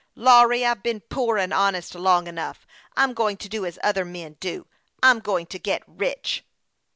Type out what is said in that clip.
" Lawry, I've been poor and honest long enough. I'm going to do as other men do. I'm going to get rich."